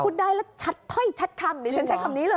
พูดได้แล้วชัดคำ